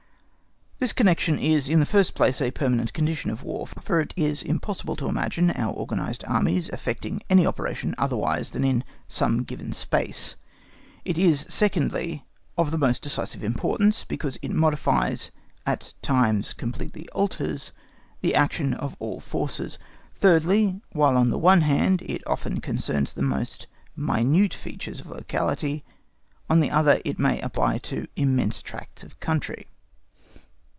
This connection is, in the first place, a permanent condition of War, for it is impossible to imagine our organised Armies effecting any operation otherwise than in some given space; it is, secondly, of the most decisive importance, because it modifies, at times completely alters, the action of all forces; thirdly, while on the one hand it often concerns the most minute features of locality, on the other it may apply to immense tracts of country.